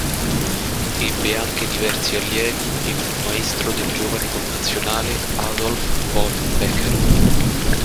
Ebbe anche diversi allievi e fu maestro del giovane connazionale Adolf von Becker.